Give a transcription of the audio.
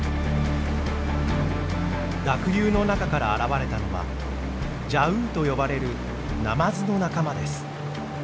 濁流の中から現れたのはジャウーと呼ばれるナマズの仲間です。